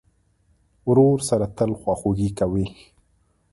ورور سره تل خواخوږي کوې.